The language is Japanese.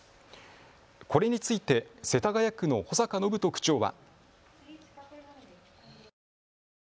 これについて世田谷区の保坂展人区長は。